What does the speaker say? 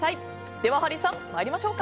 ではハリーさん、参りましょうか。